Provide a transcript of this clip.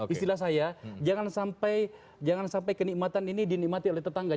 istilah saya jangan sampai kenikmatan ini dinikmati oleh tetangga